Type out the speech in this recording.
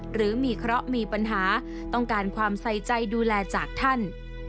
หรือมีเคราะห์มีปัญหาต้องการความใส่ใจดูแลจากท่าน